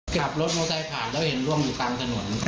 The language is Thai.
ขับรถโน้ตไทยผ่านแล้วเห็นร่วมอยู่ตรงถนน